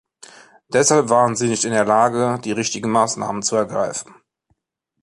Deshalb waren sie nicht in der Lage, die richtigen Maßnahmen zu ergreifen.